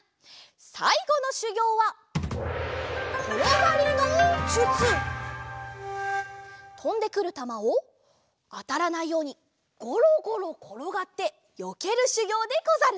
さいごのしゅぎょうはとんでくるたまをあたらないようにゴロゴロころがってよけるしゅぎょうでござる。